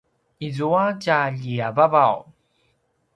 izua tja ljiavavaw